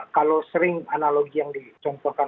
kalau sering analogi yang dicontohkan